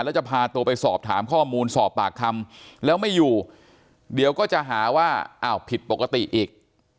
แล้วจะพาตัวไปสอบถามข้อมูลสอบปากคำแล้วไม่อยู่เดี๋ยวก็จะหาว่าอ้าวผิดปกติอีก